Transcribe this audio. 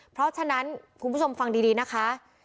เพราะฉะนั้นคุณผู้ชมฟังดีนะคะ